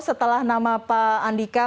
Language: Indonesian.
setelah nama pak andika